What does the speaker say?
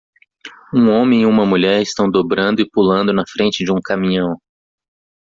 Um homem e uma mulher estão dobrando e pulando na frente de um caminhão.